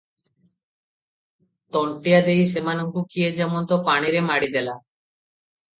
ତଣ୍ଟିଆ ଦେଇ ସେମାନଙ୍କୁ କିଏ ଯେମନ୍ତ ପାଣିରେ ମାଡ଼ିଦେଲା ।